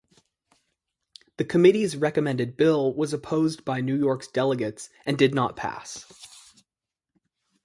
The committee's recommended bill was opposed by New York's delegates and did not pass.